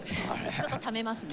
ちょっとためますね。